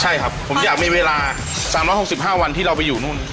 ใช่ครับผมอยากมีเวลา๓๖๕วันที่เราไปอยู่นู่น